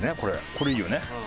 これいいよね。